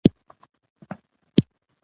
رسۍ له ځان سره سمبالښت غواړي.